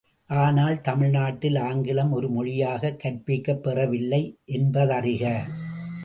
ஆனால் தமிழ்நாட்டில் ஆங்கிலம் ஒரு மொழியாகக் கற்பிக்கப் பெறவில்லை என்பதறிக!